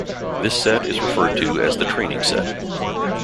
This set is referred to as the training set.